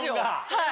はい。